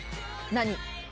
何？